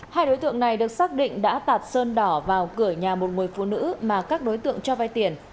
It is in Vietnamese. hai đối tượng này được xác định đã tạt sơn đỏ vào cửa nhà một người phụ nữ mà các đối tượng cho vai tiền